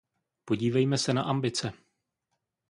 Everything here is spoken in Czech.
Podívejme se na ambice.